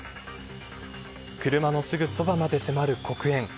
車のすぐそばまで迫る黒煙。